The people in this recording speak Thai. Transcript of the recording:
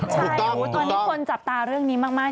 ใช่ตอนนี้คนจับตาเรื่องนี้มาก